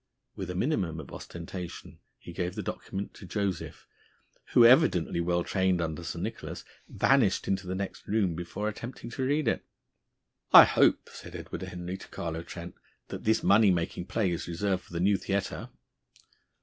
With a minimum of ostentation he gave the document to Joseph, who, evidently well trained under Sir Nicholas, vanished into the next room before attempting to read it. "I hope," said Edward Henry to Carlo Trent, "that this money making play is reserved for the new theatre."